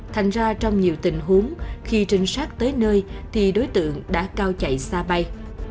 thành ra trong nhiều tình huống khi trinh sát tới nơi thì đối tượng đã cao chạy xa bay